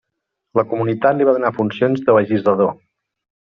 La comunitat li va donar funcions de legislador.